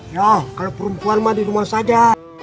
ya kalau perempuan mah di rumah saja